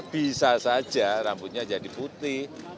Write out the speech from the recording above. bisa saja rambutnya jadi putih